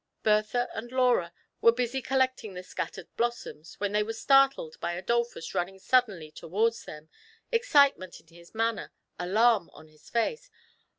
Bertha and Laura were busy collecting the scattered blossoms, when they were startled by Adolphus running suddenly towards them, excitement in his manner, alarm on his face.